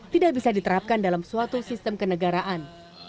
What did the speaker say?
tidak bisa diterapkan dalam suatu sistem kenegaraan